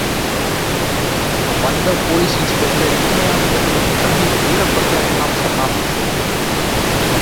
வந்த police inspector இனிமையான தமிழில், தம்பி வீரபத்ரன் எல்லாம் சொன்னான்.